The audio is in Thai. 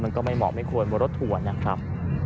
มันก็ไม่เหมาะไม่ควรมัวรถถ่วนนะครับ